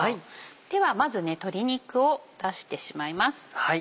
ではまず鶏肉を出してしまいます。